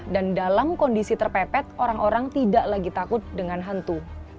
dan dalam kondisi terpepet orang orang tidak lagi takut dengan hantu